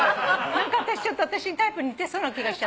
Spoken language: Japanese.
私ちょっと私にタイプ似てそうな気がしちゃった。